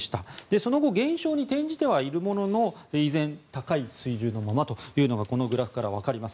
その後減少に転じてはいるものの依然、高い水準のままというのがこのグラフからわかります。